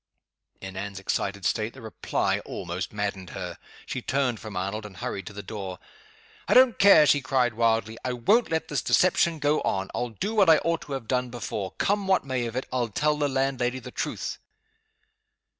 In Anne's excited state, the reply almost maddened her. She turned from Arnold, and hurried to the door. "I don't care!" she cried, wildly. "I won't let this deception go on. I'll do what I ought to have done before. Come what may of it, I'll tell the landlady the truth!"